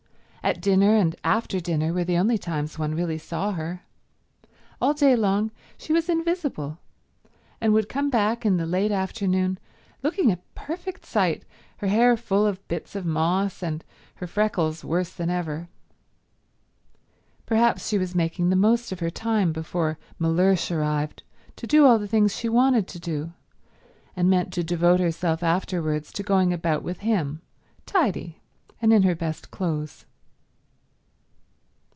At dinner and after dinner were the only times one really saw her. All day long she was invisible, and would come back in the late afternoon looking a perfect sight, her hair full of bits of moss, and her freckles worse than ever. Perhaps she was making the most of her time before Mellersh arrived to do all the things she wanted to do, and meant to devote herself afterwards to going about with him, tidy and in her best clothes.